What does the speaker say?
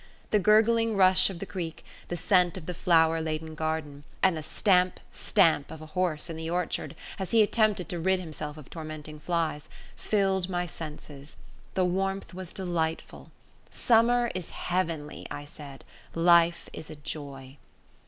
The gurgling rush of the creek, the scent of the flower laden garden, and the stamp, stamp of a horse in the orchard as he attempted to rid himself of tormenting flies, filled my senses. The warmth was delightful. Summer is heavenly, I said life is a joy.